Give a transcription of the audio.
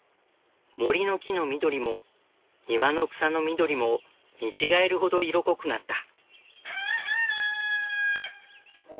森の木の緑も庭の草の緑も見違えるほど色濃くなった。